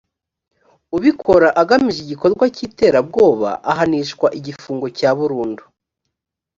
ubikora agamije igikorwa cy’iterabwoba ahanishwa igifungo cya burundu